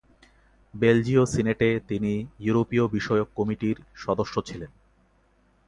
বেলজীয় সিনেটে তিনি ইউরোপীয় বিষয়ক কমিটির সদস্য ছিলেন।